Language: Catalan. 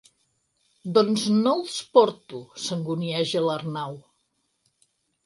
Doncs no els porto —s'angunieja l'Arnau—.